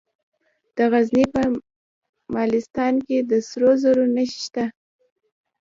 د غزني په مالستان کې د سرو زرو نښې شته.